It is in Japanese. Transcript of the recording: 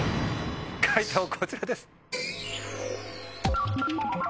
解答こちらです。